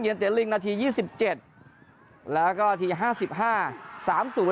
เตี๋ลิงนาทียี่สิบเจ็ดแล้วก็ทีห้าสิบห้าสามศูนย์